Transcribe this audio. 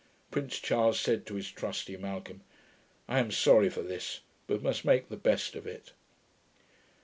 Prince Charles said to his trusty Malcolm. 'I am sorry for this, but must make the best of it.'